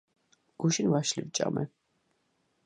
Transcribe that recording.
გუშინ ვაშლი ვჭამე